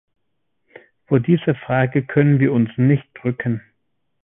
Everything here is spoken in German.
Vor dieser Frage können wir uns nicht drücken.